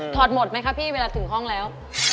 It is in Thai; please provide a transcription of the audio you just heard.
อดหมดไหมคะพี่เวลาถึงห้องแล้ว